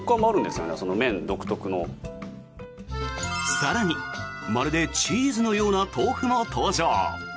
更に、まるでチーズのような豆腐も登場。